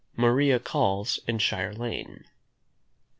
MARIA CALLS IN SHIRE LANE.